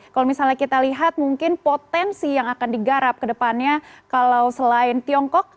kalau misalnya kita lihat mungkin potensi yang akan digarap kedepannya kalau selain tiongkok